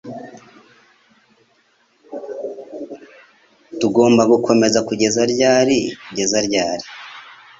Tugomba gukomeza kugeza ryari kugeza ryari?